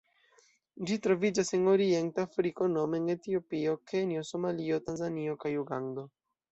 Ĝi troviĝas en Orienta Afriko nome en Etiopio, Kenjo, Somalio, Tanzanio kaj Ugando.